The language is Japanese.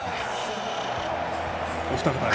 お二方は？